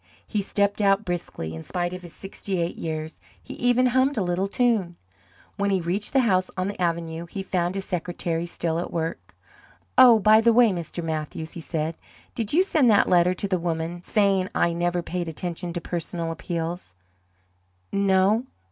He stepped out briskly, in spite of his sixty eight years; he even hummed a little tune. When he reached the house on the avenue he found his secretary still at work. "Oh, by the way, Mr. Mathews," he said, "did you send that letter to the woman, saying I never paid attention to personal appeals? No?